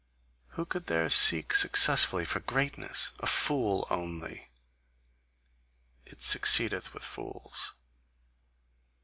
Who could there seek successfully for greatness! A fool only: it succeedeth with fools.